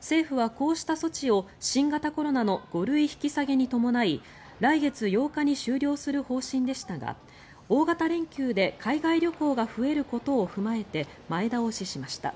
政府はこうした措置を新型コロナの５類引き下げに伴い来月８日に終了する方針でしたが大型連休で海外旅行が増えることを踏まえて前倒ししました。